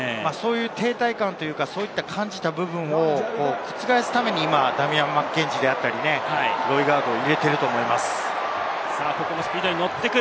停滞感というか、覆すためにダミアン・マッケンジーであったり、ロイガードを入れていると思います。